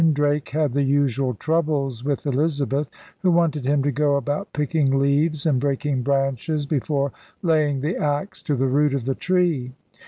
Drake had the usual troubles with Elizabeth, who wanted him to go about picking leaves and breaking branches before laying the axe to the root of the tree.